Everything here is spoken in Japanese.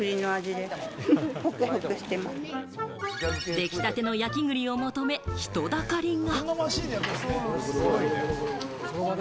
出来たての焼き栗を求め、人だかりが。